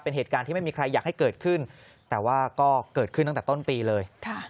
เป็นเหตุการณ์ที่ไม่มีใครอยากให้เกิดขึ้นแต่ว่าก็เกิดขึ้นตั้งแต่ต้นปีเลย